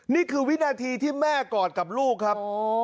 นี่คือวินาทีที่แม่กอดกับลูกครับ